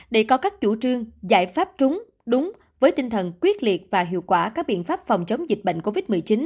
để có các chủ trương giải pháp trúng đúng với tinh thần quyết liệt và hiệu quả các biện pháp phòng chống dịch bệnh covid một mươi chín